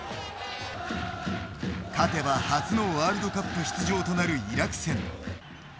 勝てば初のワールドカップ出場となるイラク戦。